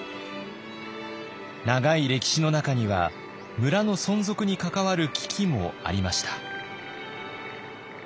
長い歴史の中には村の存続に関わる危機もありました。